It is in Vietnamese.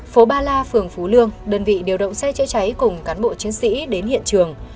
phố ba la phường phú lương đơn vị điều động xe chữa cháy cùng cán bộ chiến sĩ đến hiện trường